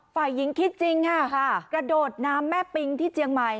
ฝ่ายหญิงคิดจริงค่ะกระโดดน้ำแม่ปิงที่เจียงใหม่